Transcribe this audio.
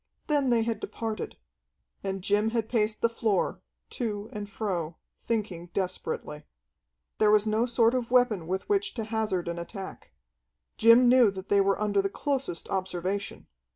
Then they had departed. And Jim had paced the floor, to and fro, thinking desperately. There was no sort of weapon with which to hazard an attack. Jim knew that they were under the closest observation.